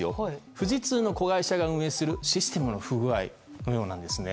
富士通の子会社が運営するシステムの不具合のようなんですね。